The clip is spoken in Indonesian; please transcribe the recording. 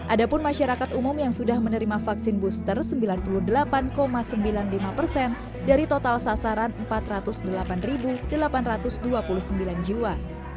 ada pun masyarakat umum yang sudah menerima vaksin booster sembilan puluh delapan sembilan puluh lima persen dari total sasaran empat ratus delapan delapan ratus dua puluh sembilan jiwa